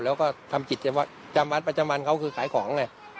แล้วก็ทำกิจจำวัดประจำวันเขาคือขายของไง